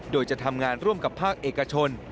โดยจะทำงานร่วมกับภาคเอกชน